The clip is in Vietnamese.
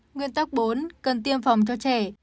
nguyên tắc bốn cần tiêm phòng cho trẻ